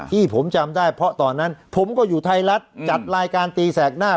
ที่ผมจำได้เพราะตอนนั้นผมก็อยู่ไทยรัฐจัดรายการตีแสกหน้า